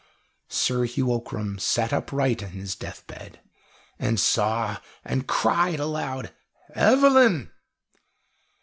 Sir Hugh Ockram sat upright in his deathbed, and saw and cried aloud: "Evelyn!"